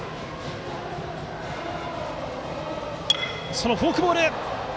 そのフォークボール！